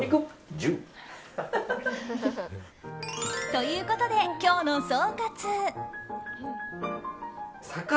ということで今日の総括。